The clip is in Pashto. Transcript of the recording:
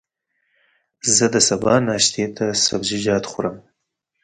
زه د سبا ناشتې ته سبزيجات خورم.